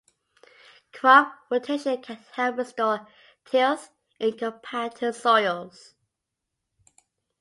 Crop rotation can help restore tilth in compacted soils.